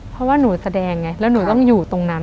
เพราะว่าหนูแสดงไงแล้วหนูต้องอยู่ตรงนั้น